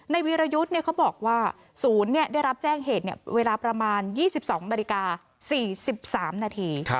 วีรยุทธ์เขาบอกว่าศูนย์ได้รับแจ้งเหตุเวลาประมาณ๒๒นาฬิกา๔๓นาที